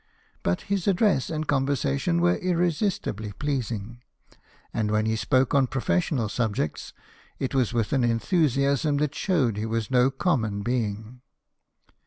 But his address and conversation were irresistibly pleasing ; and when he spoke on professional subjects, it was with an enthusiasm that showed he was no common being."